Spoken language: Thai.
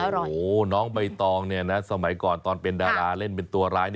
โว่น้องใบตองเนี่ยค่ะสมัยก่อนตอนเป็นดาราเล่นเป็นตัวร้าย